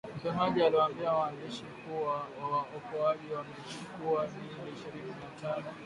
Msemaji aliwaambia waandishi kuwa waokoaji wamechukua miili ishirini na moja